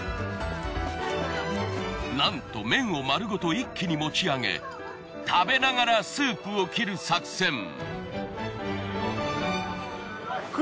なんと麺を丸ごと一気に持ち上げ食べながらスープを切る作戦。